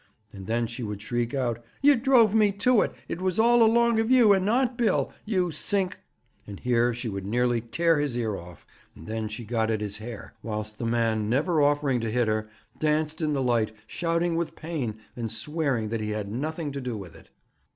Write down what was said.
And then she would shriek out: 'Yer drove me to it! It was along o' you, and not Bill, you sink ' And here she would nearly tear his ear off; and then she got at his hair, whilst the man, never offering to hit her, danced in the light, shouting with pain, and swearing that he had had nothing to do with it.